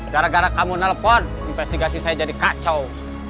gara gara kamu nelpon investigasi saya jadi kacau